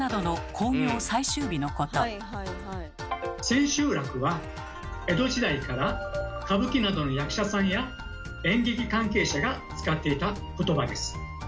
「千秋楽」は江戸時代から歌舞伎などの役者さんや演劇関係者が使っていた言葉です。